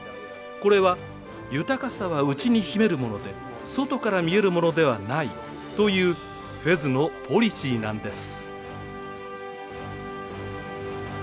これは「豊かさは内に秘めるもので外から見えるものではない」というフェズのポリシーなんです。